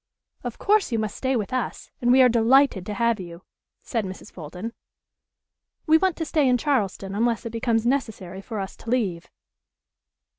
"Of course you must stay with us, and we are delighted to have you," said Mrs. Fulton. "We want to stay in Charleston unless it becomes necessary for us to leave."